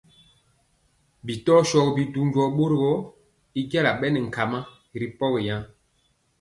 Bi tɔ shogi bidu jɔɔ bori gɔ, y jala bɛ nɛ ŋgama ri.